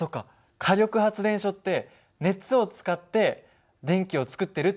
火力発電所って熱を使って電気を作ってるって聞いた事がある。